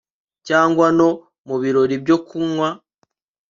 cyangwa no mubirori byo kunywa